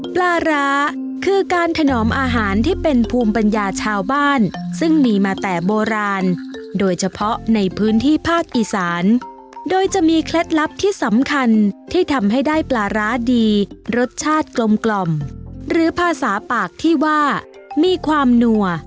ปลาร้าคือการถนอมอาหารที่เป็นภูมิปัญญาชาวบ้านซึ่งมีมาแต่โบราณโดยเฉพาะในพื้นที่ภาคอีสานโดยจะมีเคล็ดลับที่สำคัญที่ทำให้ได้ปลาร้าดีรสชาติกลมกล่อมหรือภาษาปากที่ว่ามีความหนัว